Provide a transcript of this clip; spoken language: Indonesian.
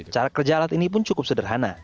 cara kerja alat ini pun cukup sederhana